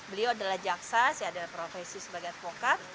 beliau adalah jaksas ya ada profesi sebagai pokat